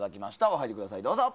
お入りください、どうぞ。